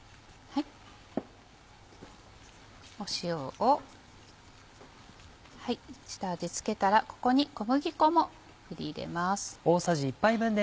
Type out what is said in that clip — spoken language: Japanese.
塩を下味付けたらここに小麦粉も振り入れます。